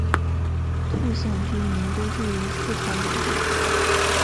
兔姓居民多住于四川等地。